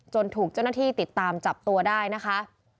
ถูกเจ้าหน้าที่ติดตามจับตัวได้นะคะ